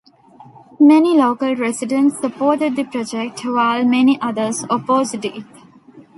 Many local residents supported the project, while many others opposed it.